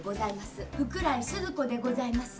福来スズ子でございます。